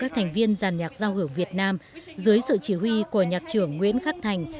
các thành viên giàn nhạc giao hưởng việt nam dưới sự chỉ huy của nhạc trưởng nguyễn khắc thành